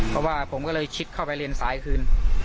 เพราะว่าผมก็เลยชิดเข้าไปเลนซ้ายคืน